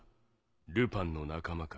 ルパンの仲間か？